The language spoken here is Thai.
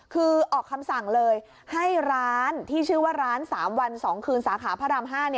คือออกคำสั่งเลยให้ร้านที่ชื่อว่าร้าน๓วัน๒คืนสาขาพระราม๕